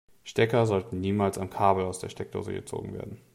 Stecker sollten niemals am Kabel aus der Steckdose gezogen werden.